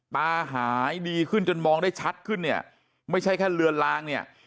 ตาหายดีขึ้นจนมองได้ชัดขึ้นเนี่ยไม่ใช่แค่เลือนลางเนี่ย